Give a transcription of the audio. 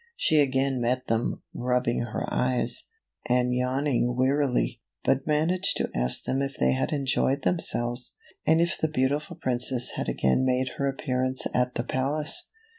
She again met them, rubbing her eyes, and yawning CINDERELLA , OR THE LITTLE CLASS SLIPPER. wearily, but managed to ask them if they had enjoyed them selves, and if the beautiful Princess had again made her appearance at the palace.